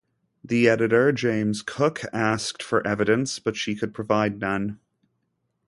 The editor, James Coke, asked for evidence, but she could provide none.